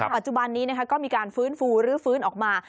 ปัจจุบันนี้ก็มีการฟื้นฟูรื้อฟื้นออกมา